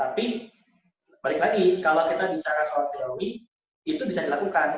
tapi balik lagi kalau kita bicara soal teroris itu bisa dilakukan